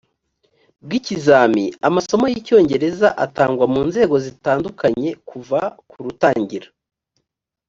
bw ikizami amasomo y icyongereza atangwa mu nzego zitandukanye kuva ku rutangira